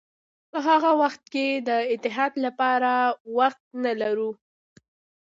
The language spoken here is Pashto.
په هغه وخت کې د اتحاد لپاره وخت نه لرو.